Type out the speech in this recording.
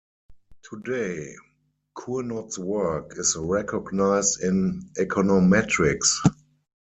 Today, Cournot's work is recognized in econometrics.